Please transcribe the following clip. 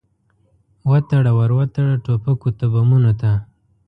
وتړه، ور وتړه ټوپکو ته، بمونو ته